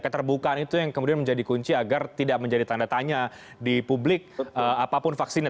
keterbukaan itu yang kemudian menjadi kunci agar tidak menjadi tanda tanya di publik apapun vaksinnya